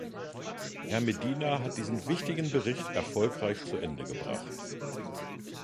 Herr Medina hat diesen wichtigen Bericht erfolgreich zu Ende gebracht.